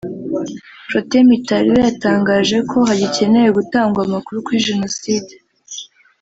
Protais Mitari we yatangaje ko hagikenewe gutangwa amakuru kuri Jenoside